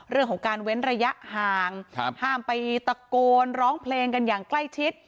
เรื่องของการเว้นระยะห่างห้ามไปตะโกนร้องเพลงกันอย่างใกล้ชิด